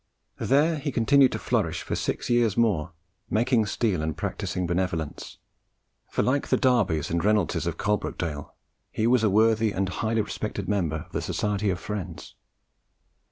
There he continued to flourish for six years more, making steel and practising benevolence; for, like the Darbys and Reynoldses of Coalbrookdale, he was a worthy and highly respected member of the Society of Friends.